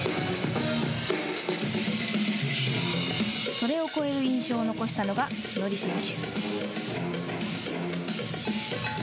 それを超える印象を残したのがＮＯＲＩ選手。